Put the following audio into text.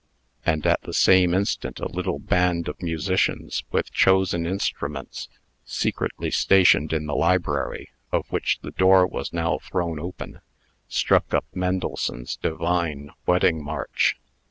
And at the same instant a little band of musicians, with chosen instruments, secretly stationed in the library, of which the door was now thrown open, struck up Mendelssohn's divine Wedding March.